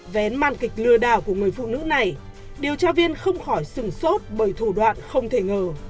vén man kịch lừa đảo của người phụ nữ này điều tra viên không khỏi sừng sốt bởi thủ đoạn không thể ngờ